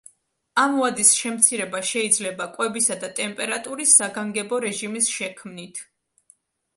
ამ ვადის შემცირება შეიძლება კვებისა და ტემპერატურის საგანგებო რეჟიმის შექმნით.